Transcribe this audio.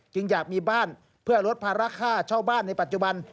อยากมีบ้านเพื่อลดภาระค่าเช่าบ้านในปัจจุบัน